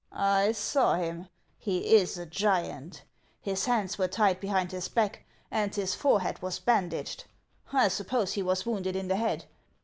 I saw him ; he is a giant. His hands were tied behind his back, and his forehead was bandaged. I suppose he was wounded in the head.